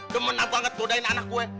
demenang banget godein anak gue